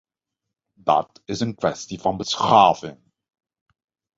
Dat is een kwestie van beschaving.